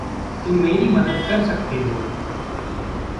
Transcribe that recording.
तुम मेरी मदद कर सकते हो।